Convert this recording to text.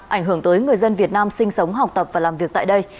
ảnh hưởng tới người dân việt nam sinh sống học tập và làm việc tại đây